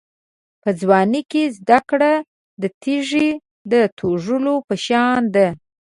په ځوانۍ کې زده کړه د تېږې د توږلو په شان ده.